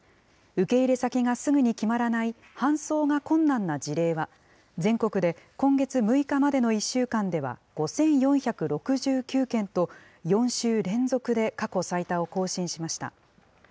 受け入れ先がすぐに決まらない搬送が困難な事例は、全国で今月６日までの１週間では５４６９件と、４週連続で過去最多を更新しました。